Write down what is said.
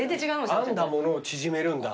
編んだ物を縮めるんだ。